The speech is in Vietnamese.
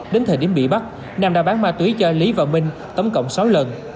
đến thời điểm bị bắt nam đã bán ma túy cho lý và minh tổng cộng sáu lần